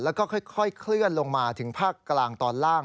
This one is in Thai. แล้วก็ค่อยเคลื่อนลงมาถึงภาคกลางตอนล่าง